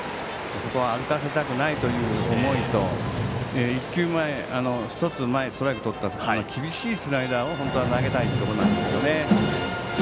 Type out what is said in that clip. あそこは歩かせたくないという思いと１つ前にストライクとった厳しいスライダーを本当は投げたいところなんですが。